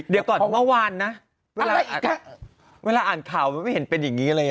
เดี๋ยวก่อนเมื่อวานนะเวลาอ่านข่าวมันไม่เห็นเป็นอย่างนี้เลย